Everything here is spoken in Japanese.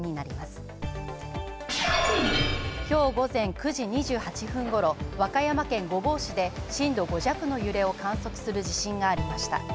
今日午前９時２８分頃、和歌山県御坊市で震度５弱の揺れを観測する地震がありました。